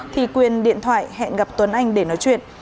thì quyền điện thoại hẹn gặp tuấn anh để nói chuyện